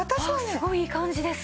すごいいい感じです。